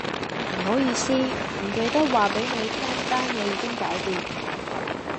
唔好意思，唔記得話俾你聽單嘢已經搞掂